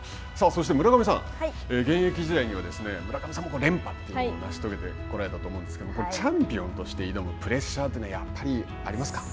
そして村上さん現役時代には村上さんも連覇というものを成し遂げて来られたと思うんですけれどもチャンピオンとして挑むプレッシャーというのはありますか。